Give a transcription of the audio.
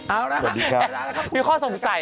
เอาล่ะครับสวัสดีครับสวัสดีครับมีข้อสงสัย